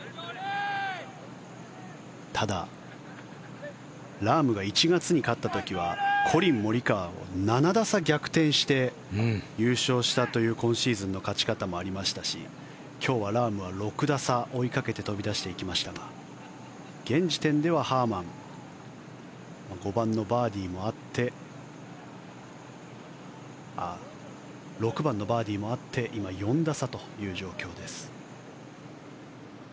ただ、ラームが１月に勝った時はコリン・モリカワを７打差逆転して優勝したという今シーズンの勝ち方もありましたし今日はラームは６打差追いかけて飛び出していきましたが現時点では、ハーマン６番のバーディーもあって今、４打差という状況です。